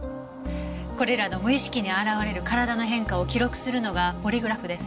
これらの無意識に現れる体の変化を記録するのがポリグラフです。